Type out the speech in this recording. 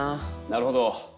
なるほど。